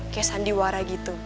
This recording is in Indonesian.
kayak sandiwara gitu